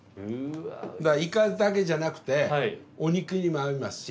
イカだけじゃなくてお肉にも合いますし。